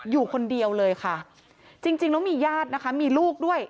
อยู่คนเดียวเลยค่ะจริงจริงแล้วมีญาตินะคะมีลูกด้วย